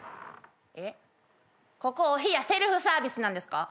えっここお冷やセルフサービスなんですか？